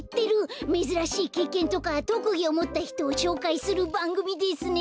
めずらしいけいけんとかとくぎをもったひとをしょうかいするばんぐみですね。